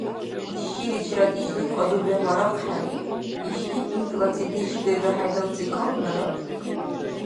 Шиличирад ишди кьадуби гьарахъхӀели, ишди гӀинтӀла цӀедеш чилилра хӀедалцӀи калунара?